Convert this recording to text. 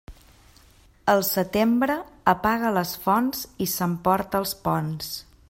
El setembre apaga les fonts i s'emporta els ponts.